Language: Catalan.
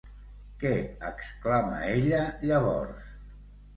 Què exclama ella llavors?